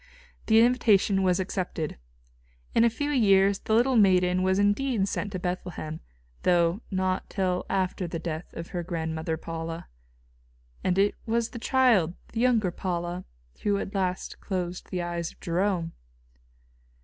] The invitation was accepted. In a few years the little maiden was indeed sent to Bethlehem, though not till after the death of her grandmother Paula. And it was the child, the younger Paula, who at last closed the eyes of Jerome.